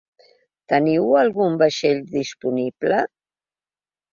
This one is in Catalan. Teniu algun vaixell disponible?